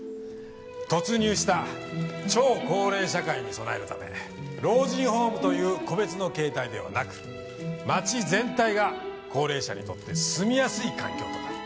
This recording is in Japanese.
突入した超高齢社会に備えるため老人ホームという個別の形態ではなく町全体が高齢者にとって住みやすい環境となる。